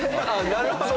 なるほどね